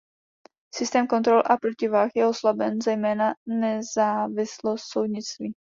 Systém kontrol a protivah je oslaben, zejména nezávislost soudnictví.